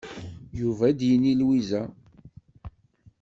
Yuba ad yini i Lwiza.